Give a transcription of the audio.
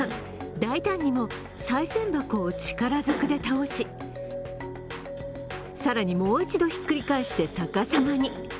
大胆にもさい銭箱を力ずくで倒し更に、もう１度、ひっくり返して逆さまに。